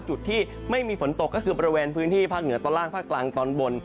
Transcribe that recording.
จุดที่ไม่มีฝนตกก็คือบริเวณพื้นที่ภาคเหนือตอนล่างภาคกลางตอนบน